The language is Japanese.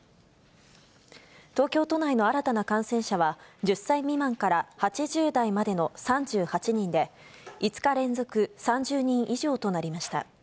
東京都内の新たな感染者は、１０歳未満から８０代までの３８人で、５日連続３０人以上となりました。